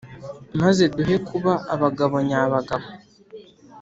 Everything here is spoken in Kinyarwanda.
Mana duhe kuba abagabo nyabagabo